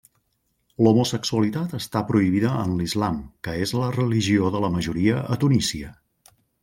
L'homosexualitat està prohibida en l'islam, que és la religió de la majoria a Tunísia.